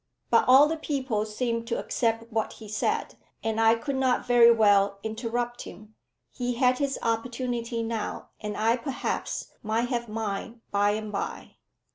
But all the people seemed to accept what he said, and I could not very well interrupt him. He had his opportunity now, and I perhaps might have mine by and by.